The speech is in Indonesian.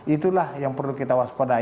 itulah yang perlu kita waspadai